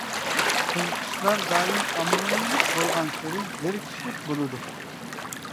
قىزىقىشلار دائىم ئاممىۋىلىق بولغانسېرى زېرىكىشلىك بولىدۇ.